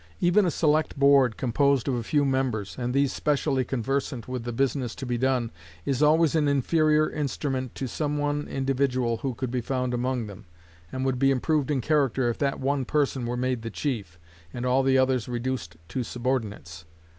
Even a select board, composed of few members, and these specially conversant with the business to be done, is always an inferior instrument to some one individual who could be found among them, and would be improved in character if that one person were made the chief, and all the others reduced to subordinates.